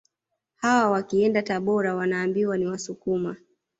Hawa wakienda Tabora wanaambiwa ni Wasukuma